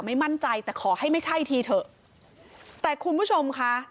ไม่มั่นใจแต่ขอให้ไม่ใช่ทีเถอะแต่คุณผู้ชมค่ะ